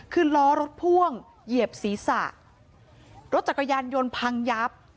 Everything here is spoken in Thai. คือล้อรถพ่วงเหยียบศีรษะรถจักรยานยนต์พังยับ